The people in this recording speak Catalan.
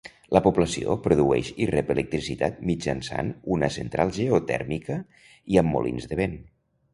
La població produeix i rep electricitat mitjançant una central geotèrmica i amb molins de vent.